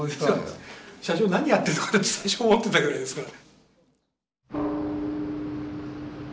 社長何やってるのかなって最初思ってたぐらいですから。